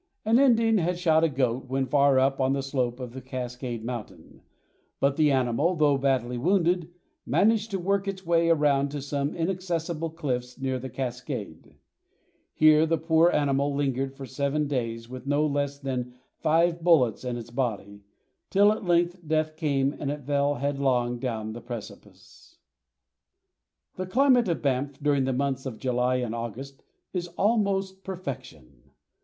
An Indian had shot a goat when far up on the slope of Cascade Mountain, but the animal, though badly wounded, managed to work its way around to some inaccessible cliffs near the cascade. Here the poor animal lingered for seven days with no less than five bullets in its body, till at length death came and it fell headlong down the precipice. [Illustration: Bow River and Cascade Mountain.] The climate of Banff during the months of July and August is almost perfection.